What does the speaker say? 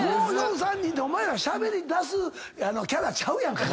「５４３２」でお前らしゃべりだすキャラちゃうやんか。